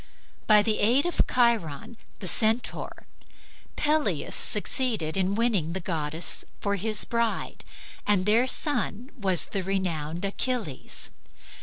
By the aid of Chiron the Centaur, Peleus succeeded in winning the goddess for his bride and their son was the renowned Achilles.